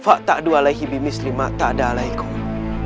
fa takdu alaihi bimislima takda alaikum